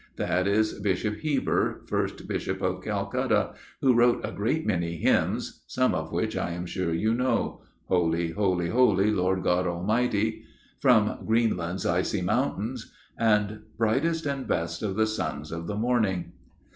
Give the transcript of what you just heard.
That is Bishop Heber, first Bishop of Calcutta, who wrote a great many hymns, some of which I am sure you know 'Holy, Holy, Holy, Lord God Almighty,' 'From Greenland's icy mountains,' and 'Brightest and best of the sons of the morning.